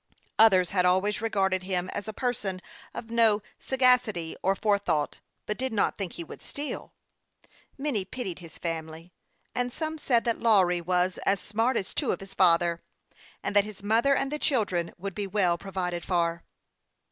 Others had always re garded him as a person of no sagacity or forethought, but did not think he would steal. Many pitied his family, and some said that Lawry was " as smart as two of his father," and that his mother and the children would be well provided for.